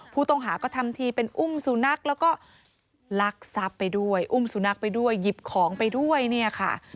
ผู้ต้องหาก็ทำทีเป็นอุ้มสุนัขแล้วก็ลักทรัพย์ไปด้วยอุ้มสุนัขไปด้วยหยิบของไปด้วยเนี่ยค่ะ